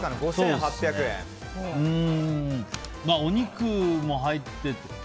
お肉も入ってて。